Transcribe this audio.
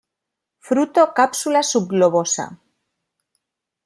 Fruto cápsula subglobosa.